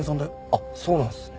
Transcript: あっそうなんですね。